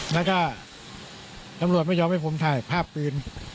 แล้วก็ตำรวจไม่ยอมให้ผมถ่ายภาพปืน